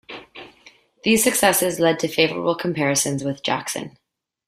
These successes led to favorable comparisons with Jackson.